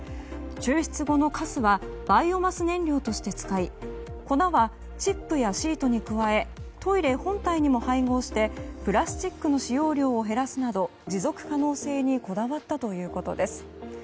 抽出後のかすはバイオマス燃料として使い粉はチップやシートに加えトイレ本体にも配合してプラスチックの使用量を減らすなど持続可能性にこだわったということです。